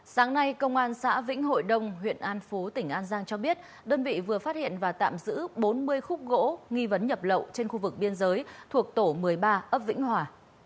sáng nay công an xã vĩnh hội đông huyện an phú tỉnh an giang cho biết đơn vị vừa phát hiện và tạm giữ bốn mươi khúc gỗ nghi vấn nhập lậu trên khu vực biên giới thuộc tổ một mươi ba ấp vĩnh hòa